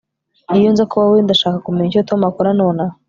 Iyo nza kuba wowe ndashaka kumenya icyo Tom akora nonaha